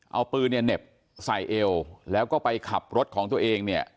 เอาปืนเนี่ยเหน็บใส่เอวแล้วก็ไปขับรถของตัวเองเนี่ย